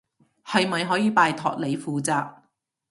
係咪可以拜託你負責？